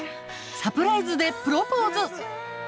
サプライズでプロポーズ。